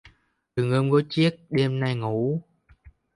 Đừng ôm gối chiếc, đêm nay ngủ...